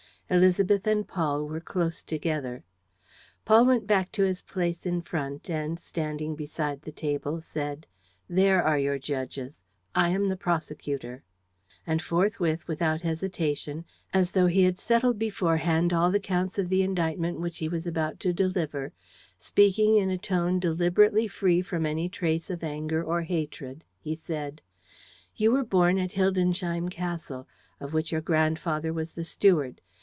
Élisabeth and Paul were close together. Paul went back to his place in front and, standing beside the table, said: "There are your judges. I am the prosecutor." And forthwith, without hesitation, as though he had settled beforehand all the counts of the indictment which he was about to deliver, speaking in a tone deliberately free from any trace of anger or hatred, he said: "You were born at Hildensheim Castle, of which your grandfather was the steward.